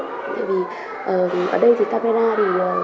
tại vì ở đây thì camera thì